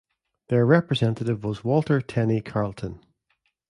Their representative was Walter Tenney Carleton.